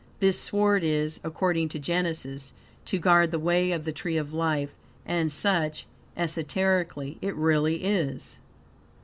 This sword is, according to Genesis, "to guard the way of the tree of life," and such, esoterically, it really is.